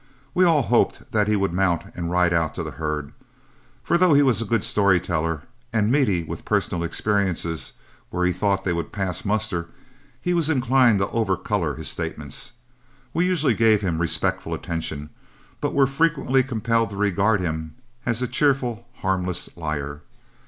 We all hoped that he would mount and ride out to the herd, for though he was a good story teller and meaty with personal experiences, where he thought they would pass muster he was inclined to overcolor his statements. We usually gave him respectful attention, but were frequently compelled to regard him as a cheerful, harmless liar.